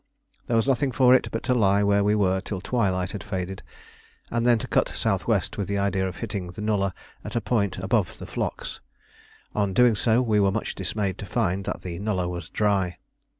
There was nothing for it but to lie where we were till twilight had faded, and then to cut south west with the idea of hitting the nullah at a point above the flocks. On doing so we were much dismayed to find that the nullah was dry.